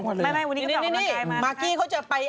ไว้